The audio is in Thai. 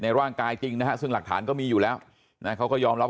ร่างกายจริงนะฮะซึ่งหลักฐานก็มีอยู่แล้วนะเขาก็ยอมรับ